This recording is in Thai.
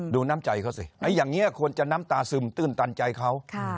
ดูน้ำใจเขาสิไอ้อย่างเงี้ยควรจะน้ำตาซึมตื่นตันใจเขาค่ะ